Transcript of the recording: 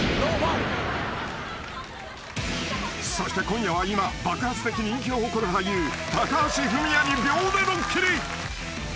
［そして今夜は今爆発的人気を誇る俳優高橋文哉に秒でドッキリ］